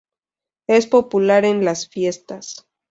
Es popular en las fiestas.